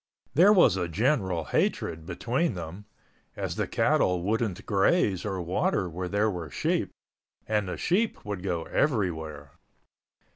There was a general hatred between them, as the cattle wouldn't graze or water where there were sheep and the sheep would go everywhere.